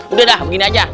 udah dah begini aja